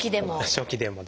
初期でも？